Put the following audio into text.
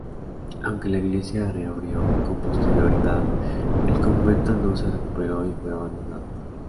Aunque la iglesia reabrió con posterioridad el convento no se recuperó y fue abandonado.